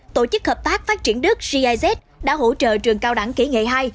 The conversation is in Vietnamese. tổ chức hợp tác phát triển đức giz đã hỗ trợ trường cao đẳng kỹ nghệ hai